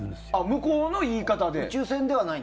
向こうの言い方で？